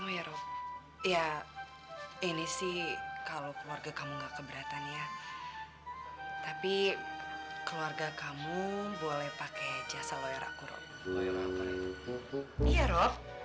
ya ini sih kalau keluarga kamu enggak keberatan ya tapi keluarga kamu boleh pakai jasa loyotro